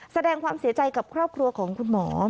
แสดงความเสียใจกับครอบครัวของคุณหมอ